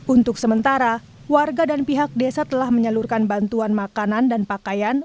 untuk sementara warga dan pihak desa telah menyalurkan bantuan makanan dan pakaian